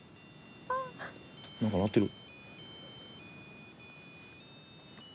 なんか鳴ってる。